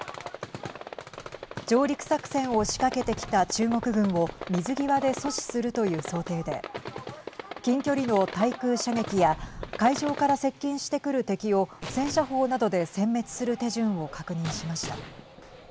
上陸作戦を仕掛けてきた中国軍を水際で阻止するという想定で近距離の対空射撃や海上から接近してくる敵を戦車砲などでせん滅する手順を確認しました。